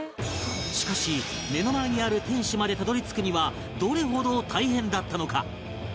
しかし目の前にある天守までたどり着くにはどれほど大変だったのか？